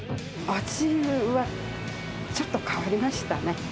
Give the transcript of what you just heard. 味はちょっと変わりましたね。